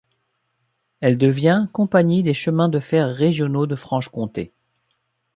Elle devient: Compagnie des Chemins de fer Régionaux de Franche-Comté.